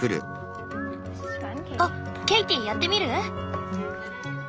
あっケイティやってみる？